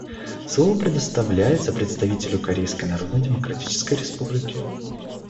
Слово предоставляется представителю Корейской Народно-Демократической Республики.